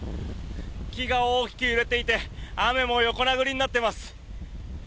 木が大きく揺れていて雨も横殴りになっています。